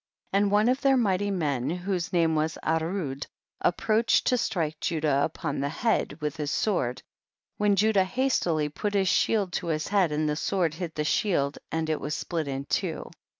38. And one of their mighty men whose name was Arud approached to strike Judah upon tlic head witii liis sword, when Judah hastily put his shield to his head, and the sword hit the shield, and it was split in two.